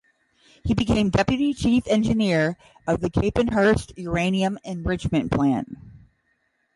He became Deputy Chief Engineer of the Capenhurst uranium enrichment plant.